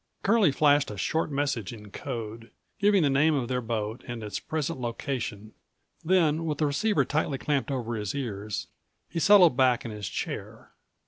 Curlie flashed a short message in code, giving the name of their boat and its present location, then, with the receiver tightly clamped over his ears, he settled back in his chair.